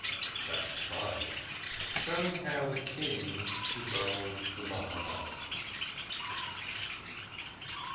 " CHAPTER V. SHOWING HOW THE KING DISSOLVED THE MAHAMAD.